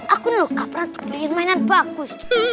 aku nilau kapran tuh pengen mainan bagus